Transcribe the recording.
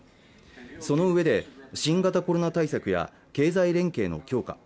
そのうえで新型コロナ対策や経済連携の強化